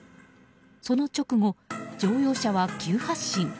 その直後、乗用車は急発進。